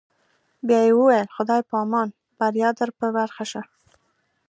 بیا یې وویل: خدای په امان، بریا در په برخه شه.